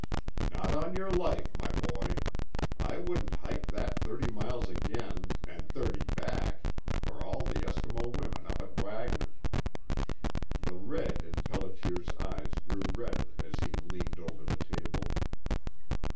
"Not on your life, my boy. I wouldn't hike that thirty miles again an' thirty back for all the Eskimo women up at Wagner." The red in Pelliter's eyes grew redder as he leaned over the table.